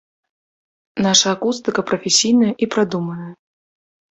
Наша акустыка прафесійная і прадуманая.